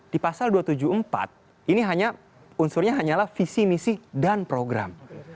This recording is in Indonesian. di pasal dua ratus tujuh puluh empat ini hanya unsurnya hanyalah visi misi dan program